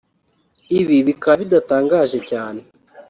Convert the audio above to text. Ibi bikaba bidatangaje cyane